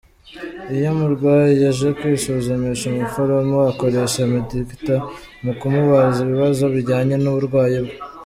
Iyo umurwayi aje kwisuzumisha, umuforomo akoresha Medikta mu kumubaza ibibazo bijyanye n’uburwayi bwe.